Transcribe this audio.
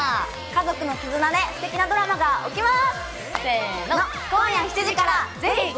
家族の絆でステキなドラマが起きます。